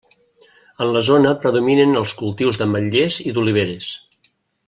En la zona predominen els cultius d'ametllers i d'oliveres.